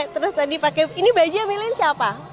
terus tadi pake ini bajunya milih siapa